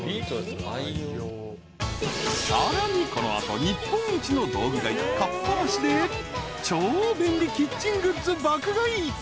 ［さらにこの後日本一の道具街かっぱ橋で超便利キッチングッズ爆買い］